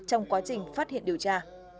trong quá trình phát hiện điều tra